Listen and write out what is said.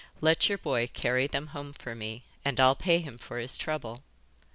Let your boy carry them home for me and I'll pay him for his trouble.